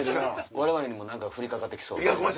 我々にも何か降りかかって来そう。